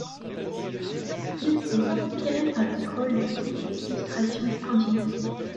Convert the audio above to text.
Ils sont inspirés par les trolls des contes et illustrations scandinaves.